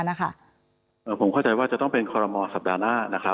ผมเข้าใจว่าจะต้องเป็นคอรมอลสัปดาห์หน้า